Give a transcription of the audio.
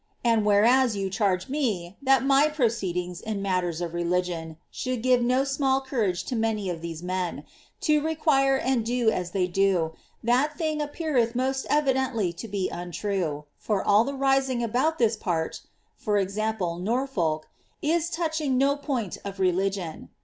And whereas yow charge me, that my proceedings, in matters of religion, »bould give no small courage to many of these men, to require and do as they do, that tiling appeareth mot»t evidently to be untrue, for alt the rising alxMit this part (i. e. Norfolk) is touching no point of religion.